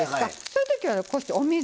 そういう時はこうしてお水。